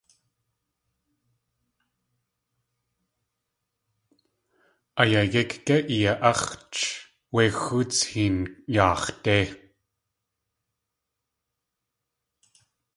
A yayík gé iya.áx̲ch wé xóots héen yaax̲ dé.